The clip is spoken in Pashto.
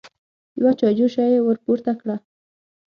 يوه چايجوشه يې ور پورته کړه.